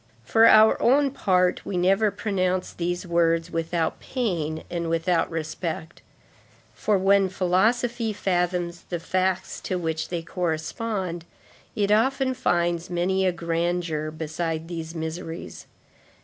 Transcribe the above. For our own part, we never pronounce those words without pain and without respect, for when philosophy fathoms the facts to which they correspond, it often finds many a grandeur beside these miseries.